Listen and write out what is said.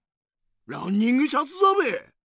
ランニングシャツだべ！